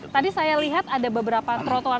tadi saya lihat ada beberapa trotoar